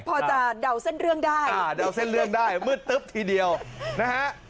พอจะเดาเส้นเรื่องได้อ่าเดาเส้นเรื่องได้มืดตึ๊บทีเดียวนะฮะ